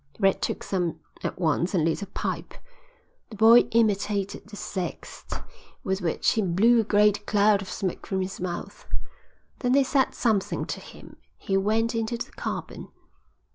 Red took some at once and lit a pipe. The boy imitated the zest with which he blew a great cloud of smoke from his mouth. Then they said something to him and he went into the cabin.